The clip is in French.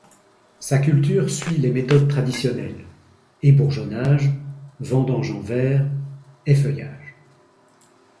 Sa culture suit les méthodes traditionnelles, ébourgeonnage, vendanges en vert, effeuillage.